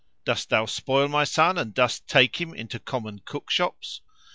dost thou spoil my son, [FN#471] and dost take him into common cookshops?"